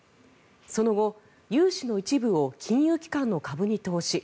その後、融資の一部を金融機関の株に投資。